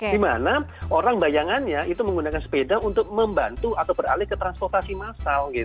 dimana orang bayangannya itu menggunakan sepeda untuk membantu atau beralih ke transportasi massal